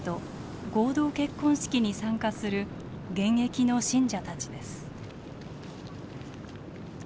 合同結婚式に参加する現役の信者たちです。